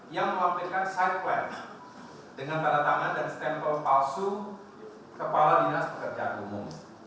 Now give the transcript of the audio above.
yang melampirkan side plan dengan tanda tangan dan stempel palsu kepala dinas pekerjaan umum